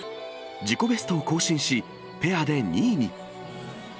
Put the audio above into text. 自己ベストを更新し、ペアで２位に。